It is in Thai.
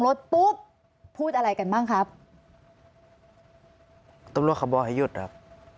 รถปุ๊บพูดอะไรกันบ้างครับตำรวจเขาบอกให้หยุดครับ